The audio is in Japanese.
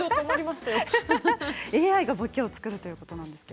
ＡＩがぼけを作るということですね。